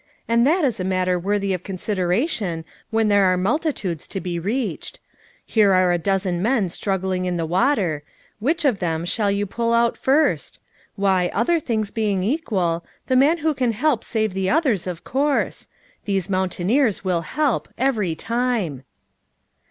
"And that is a matter worthy of consideration when there are multitudes to he reached. Here are a dozen men struggling in the water; which of them shall you pull out first? Why, other things being equal, the man who can help save the others, of course ; these mountaineers will help, every time."